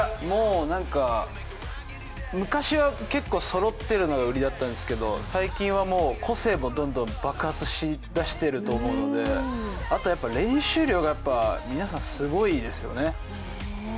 もうなんか、昔は結構そろっているのが売りだったんですけど最近は個性がどんどん爆発しだしてると思うので、あと、練習量が皆さん、すごいですよね。